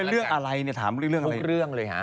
เรื่องอะไรเนี่ยถามเรื่องอะไร